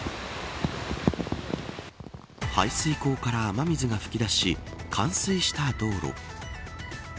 排水溝から雨水が吹き出し冠水した道路。